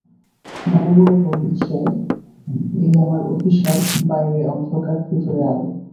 মনে মনে বলছে, এই আমার অভিসার, বাইরে অন্ধকার ভিতরে আলো।